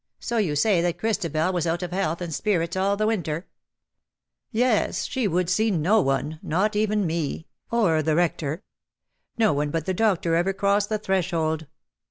So you say that Christabel was out of health and spirits all the winter/' " YeSj she would see no one — not even me — or the Rector. No one but the doctor ever crossed the threshold.